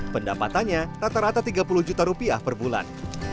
pendapatannya rata rata tiga puluh juta rupiah per bulan